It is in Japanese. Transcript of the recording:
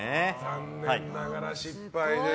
残念ながら失敗です。